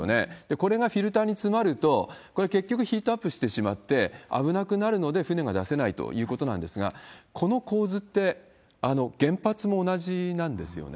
これがフィルターに詰まると、これ、結局ヒートアップしてしまって、危なくなるので船が出せないということなんですが、この構図って原発も同じなんですよね。